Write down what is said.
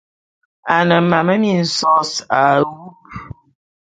A ne mam minsōs a wub.